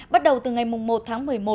bắt đầu từ ngày một tháng một mươi một